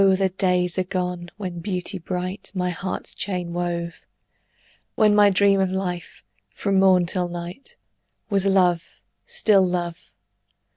the days are gone, when Beauty bright My heart's chain wove; When my dream of life, from morn till night, Was love, still love.